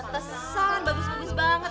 patasan bagus bagus banget